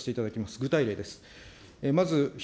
具体例です。